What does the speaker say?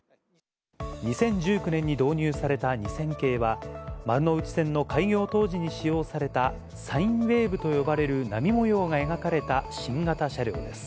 ２０１９年に導入された２０００系は、丸ノ内線の開業当時に使用された、サインウェーブと呼ばれる波模様が描かれた新型車両です。